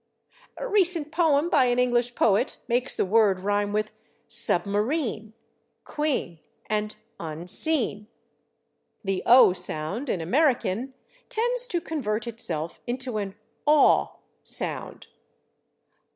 A recent poem by an English poet makes the word rhyme with /submarine/, /queen/ and /unseen/. The /o/ sound, in American, tends to convert itself into an /aw/ sound.